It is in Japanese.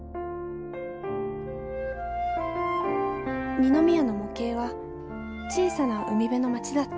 二宮の模型は小さな海辺の街だった。